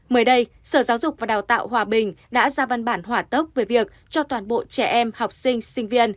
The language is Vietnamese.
mới đây sở giáo dục và đào tạo hòa bình đã ra văn bản hỏa tốc về việc cho toàn bộ trẻ em học sinh sinh viên